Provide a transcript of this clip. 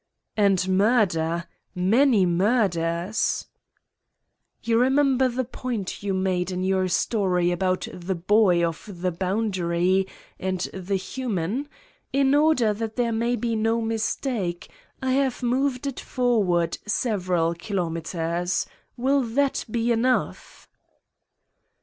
"And murder ... many murders V "You remember the point you made in your* story about the boy of the boundary of the hu man? In order that there may be no mistake, I have moved it forward several kilometers. Will that be enough?"